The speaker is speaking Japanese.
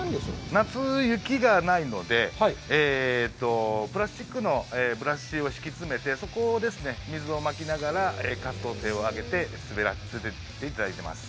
夏、雪がないので、プラスチックのブラシを敷き詰めて、そこを水をまきながら滑走精を上げて滑っていただいています。